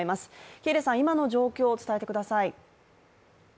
喜入さん、今の状況を伝えてください。